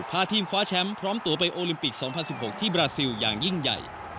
พาทีมคว้าแชมป์พร้อมตัวไปโอลิมปิก๒๐๑๖ที่บราซิลอย่างยิ่งใหญ่